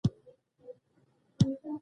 ډاکتران وايي